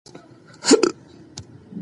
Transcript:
انټرنیټ د علمي وسایلو په موندلو کې مرسته کوي.